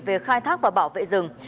về khai thác và bảo vệ rừng